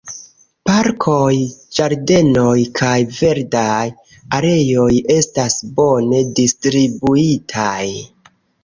Parkoj, ĝardenoj kaj verdaj areoj estas bone distribuitaj.